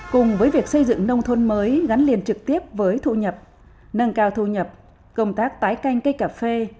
cùng với việc xây dựng nông thôn mới gắn liền trực tiếp với thu nhập nâng cao thu nhập công tác tái canh cây cà phê